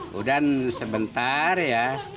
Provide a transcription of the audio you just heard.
kemudian sebentar ya